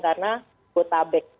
karena kota bek